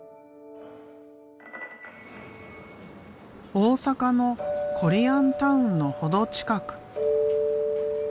大阪のコリアンタウンの程近く。